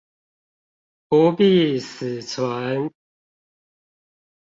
不必死存